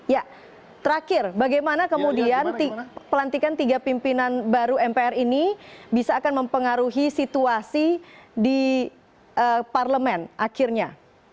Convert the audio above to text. ya terakhir bagaimana kemudian pelantikan tiga pimpinan baru mpr ini bisa akan mempengaruhi situasi di parlemen akhirnya